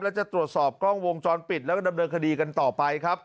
แล้วจะตรวจสอบกล้องวงจรปิดแล้วก็ดำเนินคดีกันต่อไปครับ